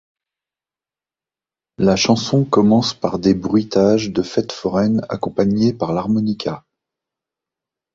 La chanson commence par des bruitages de fête foraine, accompagnés par l’harmonica.